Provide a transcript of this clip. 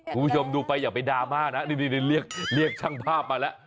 คุณผู้ชมดูไปอย่าไปดราม่านะนี่เรียกช่างภาพมาแล้ว